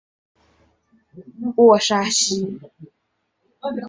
沃沙西。